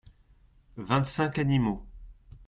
Vingt-cinq animaux.